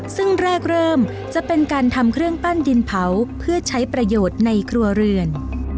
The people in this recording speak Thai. ซึ่งแรกเริ่มจะเป็นการทำเครื่องปั้นดินเผาเพื่อใช้ประโยชน์ในครัวเรือน